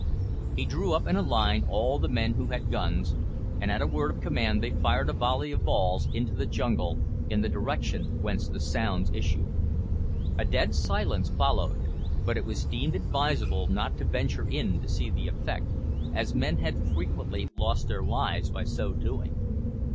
He drew up in a line all the men who had guns, and at a word of command they fired a volley of balls into the jungle, in the direction whence the sounds issued. A dead silence followed, but it was deemed advisable not to venture in to see the effect, as men had frequently lost their lives by so doing.